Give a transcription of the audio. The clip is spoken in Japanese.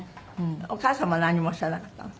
お母様は何もおっしゃらなかったの？